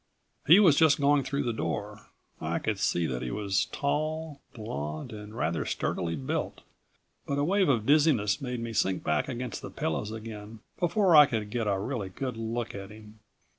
He was just going through the door. I could see that he was tall, blond and rather sturdily built, but a wave of dizziness made me sink back against the pillows again before I could get a really good look at him.